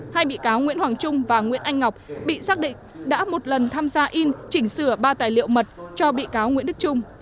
hai bị cáo nguyễn hoàng trung và nguyễn anh ngọc bị xác định đã một lần tham gia in chỉnh sửa ba tài liệu mật cho bị cáo nguyễn đức trung